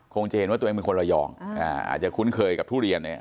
จะเห็นว่าตัวเองเป็นคนระยองอาจจะคุ้นเคยกับทุเรียนเนี่ย